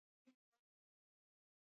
د تیرولو د ستونزې لپاره باید څه وکړم؟